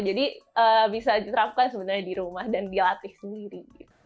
jadi bisa diterapkan sebenarnya di rumah dan dilatih sendiri